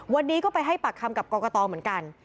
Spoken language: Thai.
วันนี้ก็ไปให้ปากคำกับกรกตเหมือนกัน